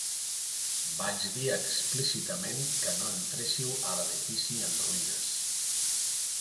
Vaig dir explícitament que no entréssiu a l'edifici en ruïnes.